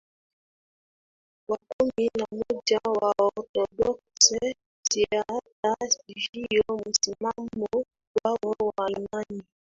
ya kumi na moja WaorthodoksiHata hivyo msimamo wao wa imani